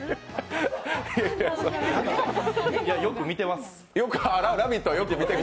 いや、よく見てます。